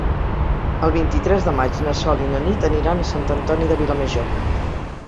El vint-i-tres de maig na Sol i na Nit aniran a Sant Antoni de Vilamajor.